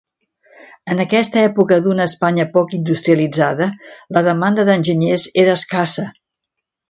En aquesta època d'una Espanya poc industrialitzada, la demanda d'enginyers era escassa.